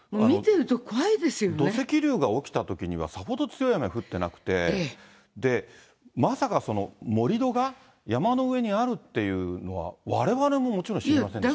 土石流が起きたときには、さほど強い雨降ってなくて、まさか盛り土が山の上にあるっていうのは、われわれももちろん知りませんでした。